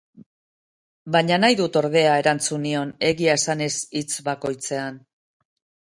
Baina nahi dut ordea, erantzun nion, egia esanez hitz bakoitzean.